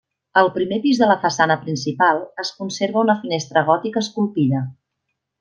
Al primer pis de la façana principal es conserva una finestra gòtica esculpida.